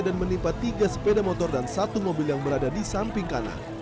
dan menimpa tiga sepeda motor dan satu mobil yang berada di samping kanan